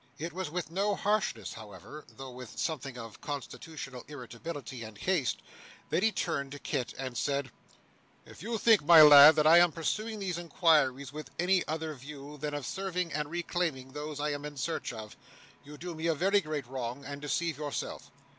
It was with no harshness, however, though with something of constitutional irritability and haste, that he turned to Kit and said: 'If you think, my lad, that I am pursuing these inquiries with any other view than that of serving and reclaiming those I am in search of, you do me a very great wrong, and deceive yourself.